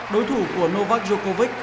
đối thủ của novak djokovic